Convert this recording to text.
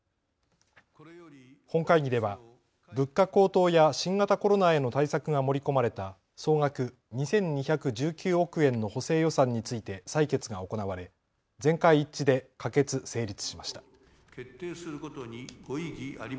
本会議では物価高騰や新型コロナへの対策が盛り込まれた総額２２１９億円の補正予算について採決が行われ全会一致で可決・成立しました。